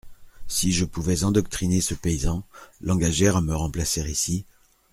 Si je pouvais endoctriner ce paysan, l’engager à me remplacer ici…